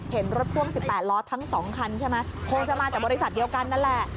เห็นรถพ่วง๑๘ล้อทั้ง๒คันใช่ไหมคงจะมาจากบริษัทเดียวกันนั่นแหละ